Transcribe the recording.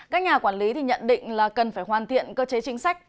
các nhà quản lý nhận định là cần phải hoàn thiện cơ chế chính sách